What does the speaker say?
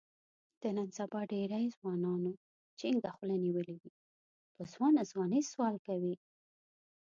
د نن سبا ډېری ځوانانو جینګه خوله نیولې وي، په ځوانه ځوانۍ سوال کوي.